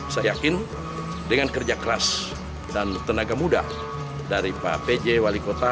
saya yakin dengan kerja keras dan tenaga muda dari pak pj wali kota